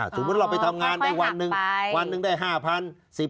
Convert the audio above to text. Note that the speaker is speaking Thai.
สมมุติเราไปทำงานได้วันนึงได้๕๐๐๐